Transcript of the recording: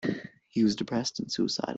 He was depressed and suicidal.